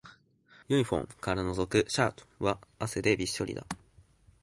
ユニフォームからのぞくシャツは汗でびっしょりだ